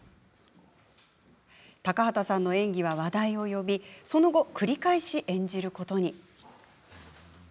高畑さんの演技は話題を呼びその後、繰り返し演じることに。